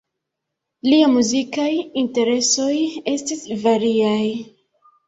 Liaj muzikaj interesoj estis variaj.